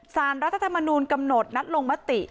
สารรัฐธรรมนูลกำหนดนัดลงมติ